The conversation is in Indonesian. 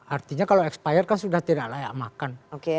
artinya kalau expired kan sudah tidak layak makan